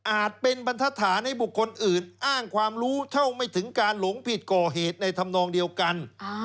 เป็นบรรทฐานให้บุคคลอื่นอ้างความรู้เท่าไม่ถึงการหลงผิดก่อเหตุในธรรมนองเดียวกัน